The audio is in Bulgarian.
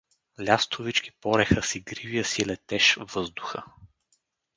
Лястовички пореха с игривия си летеж въздуха.